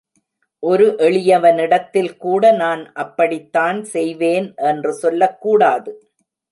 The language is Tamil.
ஒரு எளியவனிடத்தில் கூட நான் அப்படித்தான் செய்வேன் என்று சொல்லக் கூடாது.